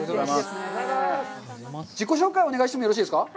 自己紹介をお願いしてもよろしいですか。